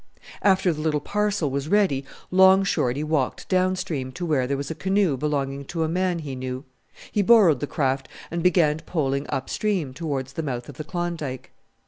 After the little parcel was ready Long Shorty walked down stream to where there was a canoe belonging to a man he knew. He borrowed the craft and began poling up stream towards the mouth of the Klondike.